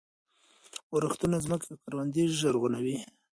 ورښتونه ځمکې او کروندې زرغونوي.